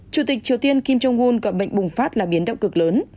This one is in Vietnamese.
chủ tịch triều tiên kim jong un gọi bệnh bùng phát là biến động cực lớn